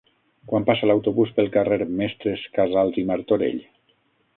Quan passa l'autobús pel carrer Mestres Casals i Martorell?